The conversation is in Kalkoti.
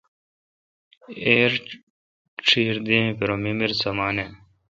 ایر چھیر دین پر ممیر سمانہ